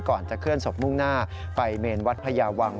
ก่อนจะเคลื่อนศพมุ่งหน้าไปเมนวัดพญาวัง